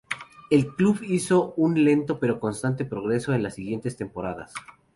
El club hizo un lento pero constante progreso en las siguientes temporadas.